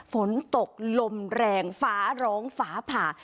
ฝนตกลมแรงฟ้าร้องฟ้าผ่า